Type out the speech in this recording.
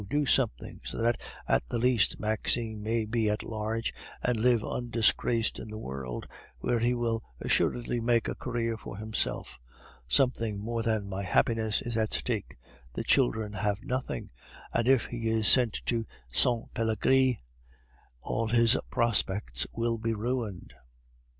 do something, so that at the least Maxime may be at large and live undisgraced in the world, where he will assuredly make a career for himself. Something more than my happiness is at stake; the children have nothing, and if he is sent to Sainte Pelagie all his prospects will be ruined."